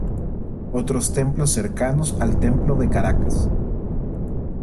Otros templos cercanos al templo de Caracas